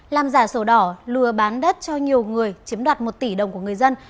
làm giả sổ đỏ lừa bán đất cho nhiều người chiếm đoạt một tỷ đồng của người dân